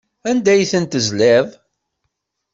Anda ay ten-tezliḍ?